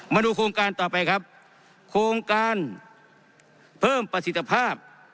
มาดูโครงการต่อไปครับโครงการเพิ่มประสิทธิภาพ